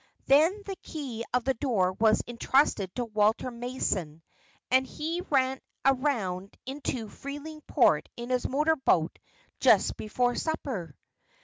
Then the key of the door was entrusted to Walter Mason and he ran around into Freeling port in his motor boat just before supper.